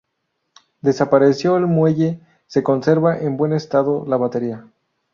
Desaparecido el muelle, se conserva en buen estado la batería.